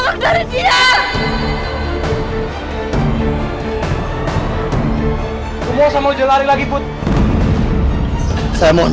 putri gak mau hamil